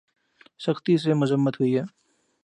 سختی سے مذمت ہوئی ہے